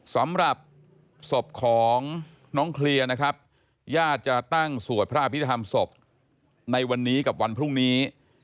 สำหรับศพของน้องเคลียร์นะครับญาติจะตั้งสวดพระอภิษฐรรมศพในวันนี้กับวันพรุ่งนี้